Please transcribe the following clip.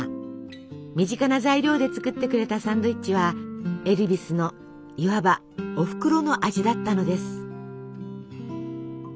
身近な材料で作ってくれたサンドイッチはエルヴィスのいわばおふくろの味だったのです。